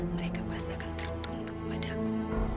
mereka pasti akan tertunduk padaku